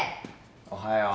おはよう。